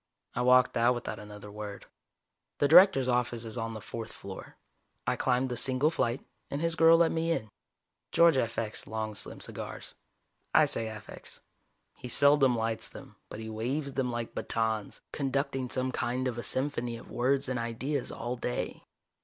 I walked out without another word. The Director's office is on the fourth floor, I climbed the single flight, and his girl let me in. George affects long slim cigars. I say affects. He seldom lights them, but he waves them like batons, conducting some kind of a symphony of words and ideas all day.